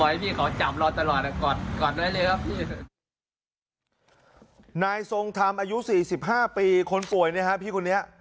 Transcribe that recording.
ไม่ได้ตอบนอนตลอดเลยอย่าอะไรครับนายสงทรรมอายุ๔๕ปีคนป่วยเนี่ยพี่คุณเนี้ย